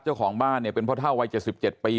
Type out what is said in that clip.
เจ้าของบ้านเนี่ยเป็นพ่อเท่าวัย๗๗ปี